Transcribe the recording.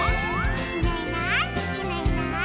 「いないいないいないいない」